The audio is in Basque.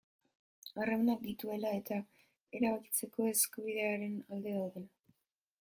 Harremanak dituela eta erabakitzeko eskubidearen alde daudela.